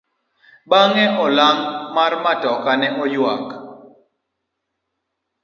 Bang'e olang' mar matoka ne oyuak.